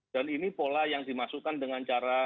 dan ini pola yang dimasukkan dengan cara